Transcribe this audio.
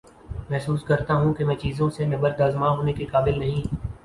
محسوس کرتا ہوں کہ میں چیزوں سے نبرد آزما ہونے کے قابل نہی